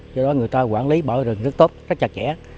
do đó người ta quản lý bảo rừng rất tốt rất chặt chẽ